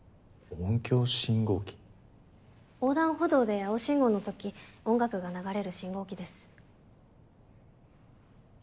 横断歩道で青信号のとき音楽が流れる信号機です。